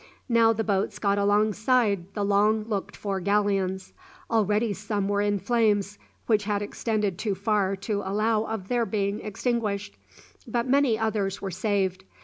Now the boats got alongside the long looked for galleons. Already some were in flames, which had extended too far to allow of their being extinguished, but many others were saved.